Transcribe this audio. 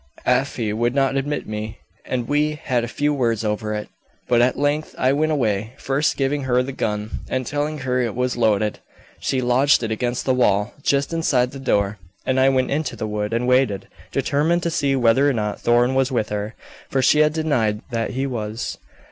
"Afy would not admit me, and we had a few words over it; but at length I went away, first giving her the gun, and telling her it was loaded. She lodged it against the wall, just inside the door, and I went into the wood and waited, determined to see whether or not Thorn was with her, for she had denied that he was.